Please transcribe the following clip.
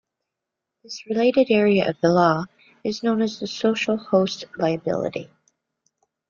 This related area of the law is known as social host liability.